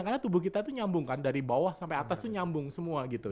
karena tubuh kita itu nyambung kan dari bawah sampai atas itu nyambung semua gitu